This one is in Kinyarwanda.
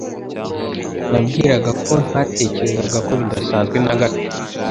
Nabwiraga ko ntatekerezaga ko bidasanzwe na gato.